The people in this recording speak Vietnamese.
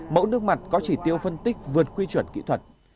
mẫu nước mặt có chỉ tiêu phân tích vượt quy chuẩn kỹ thuật